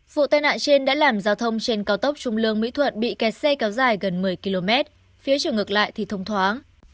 vụ tai nạn trên đã làm giao thông trên cao tốc trung lương mỹ thuận bị kẹt xe kéo dài gần một mươi km phía chiều ngược lại thì thông thoáng